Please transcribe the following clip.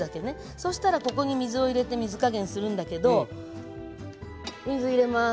そしたらここに水を入れて水加減するんだけど水入れます。